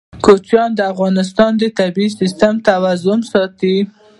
کوچیان د افغانستان د طبعي سیسټم توازن ساتي.